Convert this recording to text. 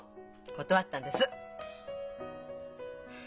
断ったんです！